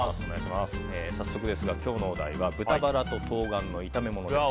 早速ですが今日のお題は豚バラと冬瓜の炒め物です。